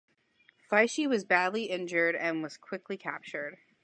Fieschi was badly injured and was quickly captured.